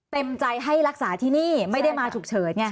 เต็มใจให้รักษาที่นี่ไม่ได้มาฉุกเฉินไง